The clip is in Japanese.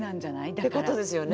だから。ってことですよね。